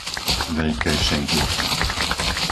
Veľké Šenkvice